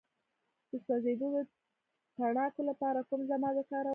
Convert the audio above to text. د سوځیدو د تڼاکو لپاره کوم ضماد وکاروم؟